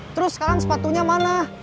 terus sekarang sepatunya mana